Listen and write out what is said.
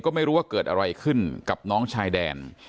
ก็ไม่รู้ว่าเกิดอะไรขึ้นกับน้องชายแดน